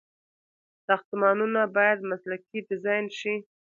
ساختمانونه باید مسلکي ډيزاين شي.